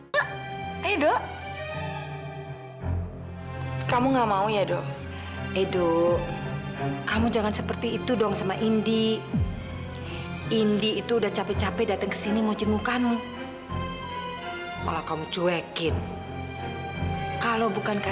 sampai jumpa di video selanjutnya